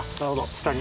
下に。